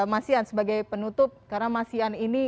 mas yan sebagai penutup karena mas ian ini